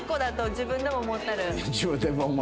「自分でも思ってる」。